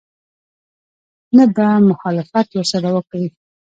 نه به مخالفت ورسره وکړي.